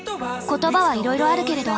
言葉はいろいろあるけれど。